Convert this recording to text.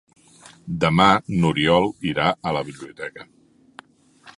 Demà n'Oriol irà a la biblioteca.